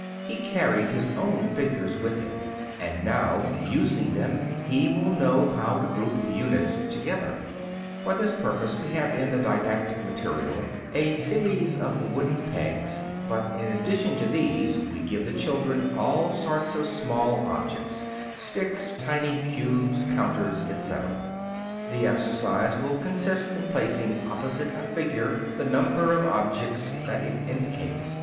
He carried his own figures with him, and now using them he will know how to group units together. [Illustration: FIG. 41. COUNTING BOXES.] For this purpose we have in the didactic material a series of wooden pegs, but in addition to these we give the children all sorts of small objects sticks, tiny cubes, counters, etc. The exercise will consist in placing opposite a figure the number of objects that it indicates.